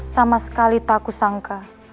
sama sekali tak kusangka